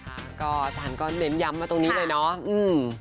อาจารย์ก็เน้นย้ำมาตรงนี้เลยเนาะ